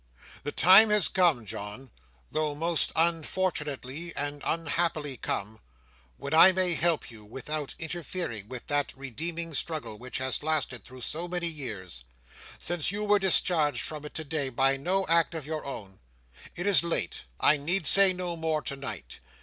The time has come, John—though most unfortunately and unhappily come—when I may help you without interfering with that redeeming struggle, which has lasted through so many years; since you were discharged from it today by no act of your own. It is late; I need say no more tonight.